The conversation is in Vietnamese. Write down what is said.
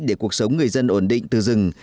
để cuộc sống người dân ổn định từ rừng